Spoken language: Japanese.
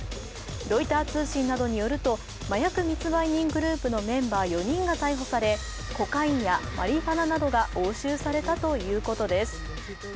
ロイター通信などによると、麻薬密売人グループのメンバー４人が逮捕され、コカインやマリファナなどが押収されたということです。